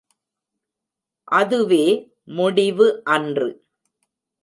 அதுவே முடிவு அன்று.